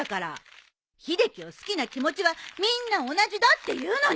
秀樹を好きな気持ちはみんな同じだっていうのに。